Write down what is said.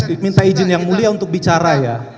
saya minta izin yang mulia untuk bicara ya